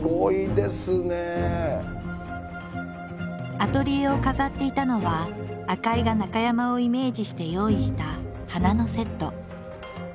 アトリエを飾っていたのは赤井が中山をイメージして用意した花のセット。